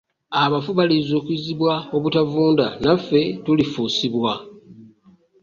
Abafu balizuukizibwa obutavunda, naffe tulifuusibwa.